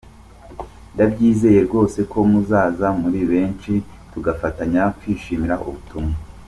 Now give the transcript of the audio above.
Ndabyizeye rwose ko muzaza muri benshi tugafatanya kwishimira ubuzima.